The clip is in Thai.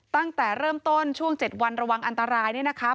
ตั้งแต่เริ่มต้นช่วง๗วันระวังอันตรายเนี่ยนะคะ